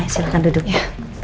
silahkan duduk ya